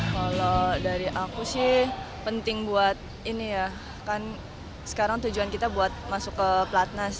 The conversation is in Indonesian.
kalau dari aku sih penting buat ini ya kan sekarang tujuan kita buat masuk ke platnas